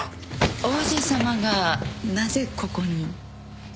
王子さまがなぜここに？